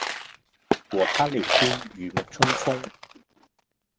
和他聊天如淋春風